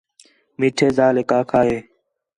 میٹھے ذالیک آکھا ہے